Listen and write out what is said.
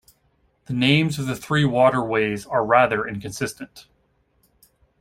The names of the three waterways are rather inconsistent.